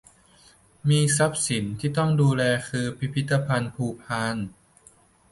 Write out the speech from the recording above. มีทรัพย์สินที่ต้องดูแลคือพิพิธภัณฑ์ภูพาน